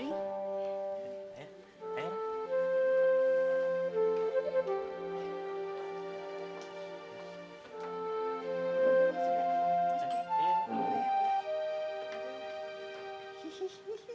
gitu ya dok ya